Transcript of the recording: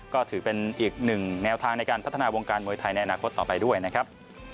ก็ถือเป็นอีกหนึ่งแนวทางในการพัฒนาวงการมวยไทยในอนาคตต่อไปด้วยนะครับ